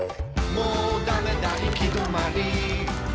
「もうだめだ行き止まり」